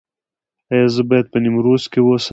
ایا زه باید په نیمروز کې اوسم؟